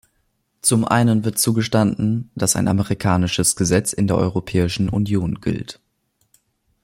Zum einen wird zugestanden, dass ein amerikanisches Gesetz in der Europäischen Union gilt.